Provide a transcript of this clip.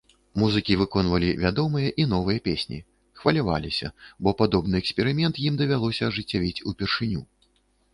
Музыкі выконвалі вядомыя і новыя песні, хваляваліся, бо падобны эксперымент ім давялося ажыццявіць упершыню.